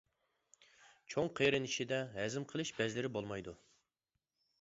چوڭ قېرىن ئىچىدە ھەزىم قىلىش بەزلىرى بولمايدۇ.